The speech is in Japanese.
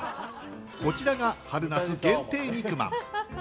こちらが春夏限定肉まん。